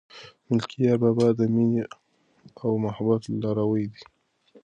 ملکیار بابا د مینې او محبت لاروی دی.